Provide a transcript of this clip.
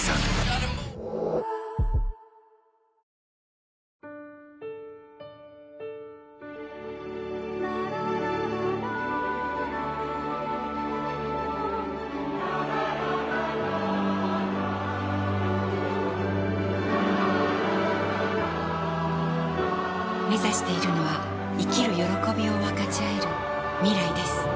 ラララめざしているのは生きる歓びを分かちあえる未来です